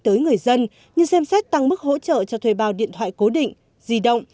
tới người dân như xem xét tăng mức hỗ trợ cho thuê bào điện thoại cố định dì động